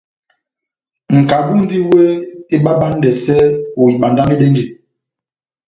Nʼkabu múndi wéh ebabanidɛsɛ ohibandamidɛnjɛ.